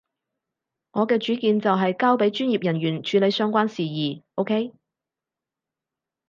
我嘅主見就係交畀專業人員處理相關事宜，OK？